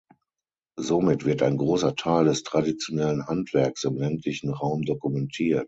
Somit wird ein großer Teil des traditionellen Handwerks im ländlichen Raum dokumentiert.